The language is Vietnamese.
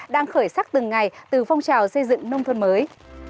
đang khởi sắc từng ngày từ phong trào xây dựng nông thôn mới